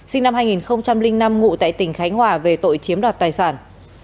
sinh năm hai nghìn năm ngụ tại tỉnh khánh hòa về tội chiếm đoạt tài sản